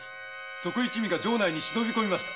賊一味が城内に忍び込みました。